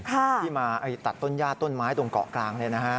ที่มาตัดต้นญาติต้นไม้ตรงเกาะกลางเลยนะฮะ